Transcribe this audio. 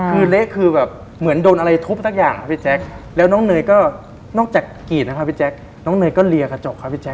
คือเละคือแบบเหมือนโดนอะไรทุบสักอย่างครับพี่แจ๊คแล้วน้องเนยก็นอกจากกรีดนะคะพี่แจ๊คน้องเนยก็เลียกระจกครับพี่แจ